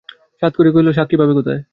সাতকড়ি কহিল, সাক্ষী পাবে কোথায়?